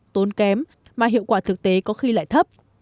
tốn kém mà hiệu quả thực tế có khi lại thấp